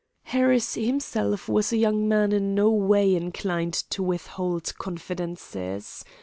Harris himself was a young man in no way inclined to withhold confidences.